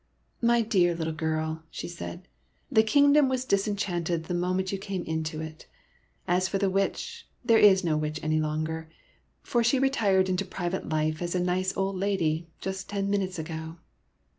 '' My dear little girl," she said, " the kingdom was disenchanted the moment you v.ame into it. As for the Witch, there is no Witch any longer, for she retired into private life as a nice old lady, just ten minutes ago.